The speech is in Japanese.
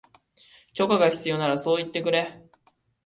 許可が必要ならそう言ってくれ